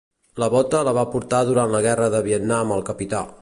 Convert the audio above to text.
La bota la va portar durant la Guerra de Vietnam el Capità